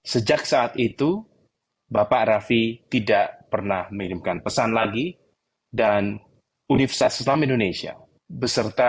sejak saat itu bapak rafi tidak pernah mengirimkan pesan lagi dan universitas islam indonesia beserta